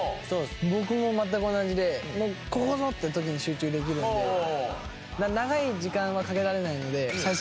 僕も全く同じでここぞって時に集中できるんで長い時間はかけられないので。